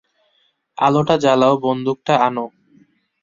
আলোটা জ্বালাও বন্দুকটা আনো।